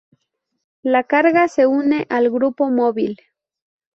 La carga se une al grupo móvil.